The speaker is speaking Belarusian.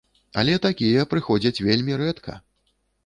Але такія прыходзяць вельмі рэдка!